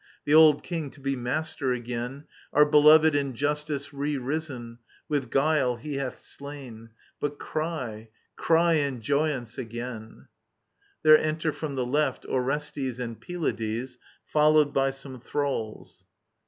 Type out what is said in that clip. The old king, to be master again, iOur belovAd in justice re risen : With guile he hath slain •.• But cry, cry in joyance again I [There enter from the left Orestes and Pylades, followed by some thralls.